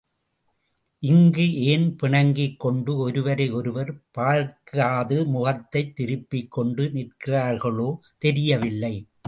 இங்கு ஏன் பிணங்கிக் கொண்டு ஒருவரை ஒருவர் பார்க்காது முகத்தைத் திருப்பிக் கொண்டு நிற்கிறார்களோ தெரியவில்லை.